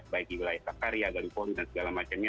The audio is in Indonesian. baik di wilayah sakarya garipoli dan segala macamnya